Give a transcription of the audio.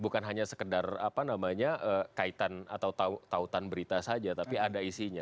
bukan hanya sekedar apa namanya kaitan atau tautan berita saja tapi ada isinya